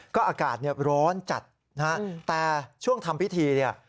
ก็อากาศร้อนจัดแต่ช่วงทำพิธี